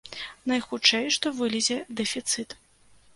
Найхутчэй што вылезе дэфіцыт.